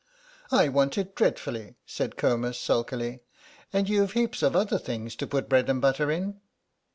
"I want it dreadfully," said Comus, sulkily, "and you've heaps of other things to put bread and butter in."